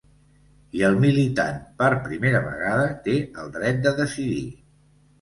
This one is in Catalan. I el militant, per primera vegada, té el dret de decidir.